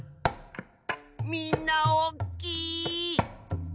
みんなおっきい！